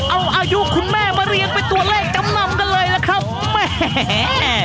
เอาอายุคุณแม่มาเรียงเป็นตัวเลขจำนำกันเลยล่ะครับแหม